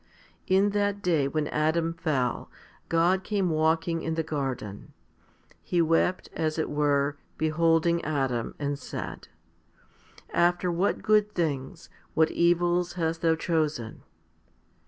In that day when Adam fell, God came walking in the garden. He wept, as it were, beholding Adam, and said, " After what good things, what evils hast thou chosen